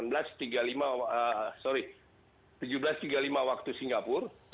yang bersangkutan sudah diterbangkan ke indonesia dengan pengawalan dari pejabat imigrasi kita